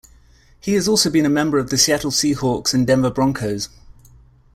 He has also been a member of the Seattle Seahawks and Denver Broncos.